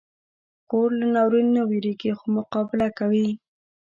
خور له ناورین نه وېریږي، خو مقابله کوي.